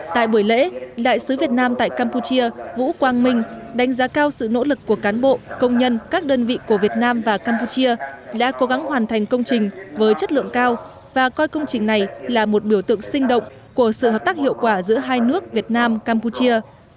tại buổi lễ đại sứ việt nam tại campuchia vũ quang minh đánh giá cao sự nỗ lực của cán bộ công nhân các đơn vị của việt nam và campuchia đã cố gắng hoàn thành công trình với chất lượng cao và coi công trình này là một biểu tượng sinh động của sự hợp tác hiệu quả giữa hai nước việt nam campuchia